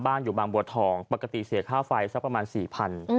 บ้านอยู่บางบัวทองปกติเสียค่าไฟสักประมาณ๔๐๐๐